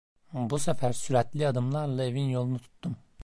Bu sefer süratli adımlarla evin yolunu tuttum.